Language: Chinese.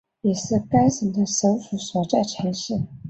也是该省的首府所在城市。